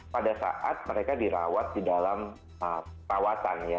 pada saat mereka dirawat di dalam perawatan ya